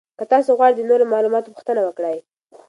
که تاسو غواړئ نو د نورو معلوماتو پوښتنه وکړئ.